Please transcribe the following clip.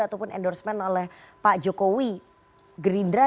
ataupun endorsement oleh pak jokowi gerindra